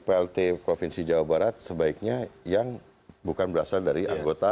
plt provinsi jawa barat sebaiknya yang bukan berasal dari anggota